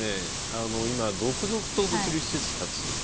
続々と物流施設が建つ。